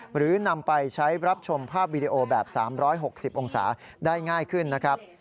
หรือนำไปใช้รับชมภาพวิดีโอแบบ๓๖๐องศาได้ง่ายขึ้นนะครับ